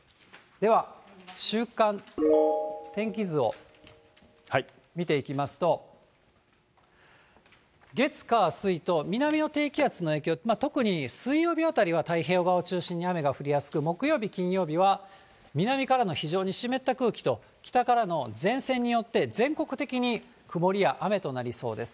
では週間天気図を見ていきますと、月、火、水と南の低気圧の影響、特に水曜日あたりは太平洋側を中心に雨が降りやすく、木曜日、金曜日は、南からの非常に湿った空気と、北からの前線によって全国的に曇りや雨となりそうです。